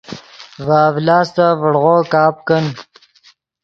ڤے اڤلاستف ڤڑغو کپ کن